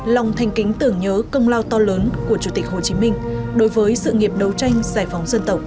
lòng thanh kính tưởng nhớ công lao to lớn của chủ tịch hồ chí minh đối với sự nghiệp đấu tranh giải phóng dân tộc